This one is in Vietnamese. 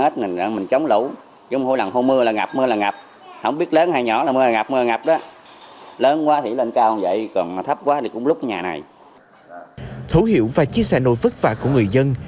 thấu hiểu và chia sẻ nỗi vất vả của người dân